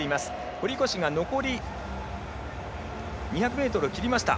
堀越が残り２００ｍを切りました。